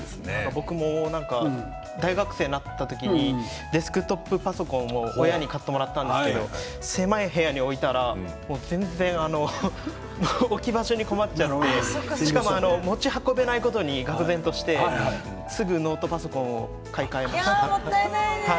僕も大学生になった時にデスクトップパソコンを親に買ってもらったんですけれど狭い部屋に置いたら全然置き場所に困っちゃってしかも持ち運べないことにがく然としてすぐにノートパソコンをもったいないね。